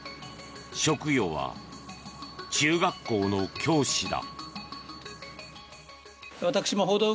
職業は中学校の教師だ。